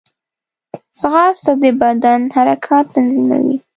ځغاسته د بدن حرکات تنظیموي